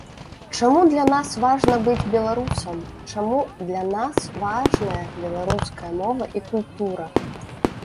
Чаму для нас важна быць беларусам, чаму для нас важная беларуская мова і культура.